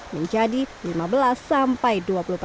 menjadi lima belas sampai dua puluh empat